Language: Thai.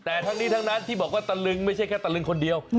แต่ทั้งนี้ทั้งนั้นที่บอกว่าตะลึงไม่ใช่แค่ตะลึงคนเดียว